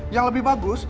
yang lebih bagus